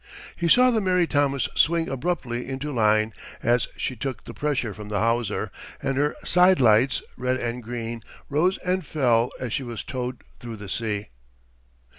He saw the Mary Thomas swing abruptly into line as she took the pressure from the hawser, and her side lights, red and green, rose and fell as she was towed through the sea.